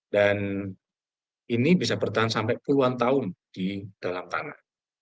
dan ini bisa bertahan sampai puluhan tahun di dalam tanah